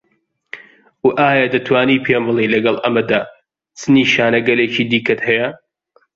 و ئایا دەتوانی پێم بڵێی لەگەڵ ئەمەدا چ نیشانەگەلێکی دیکەت هەیە؟